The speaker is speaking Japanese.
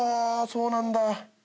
そうなんだ。